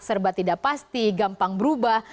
serba tidak pasti gampang berubah